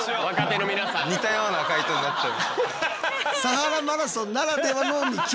似たような回答になっちゃう。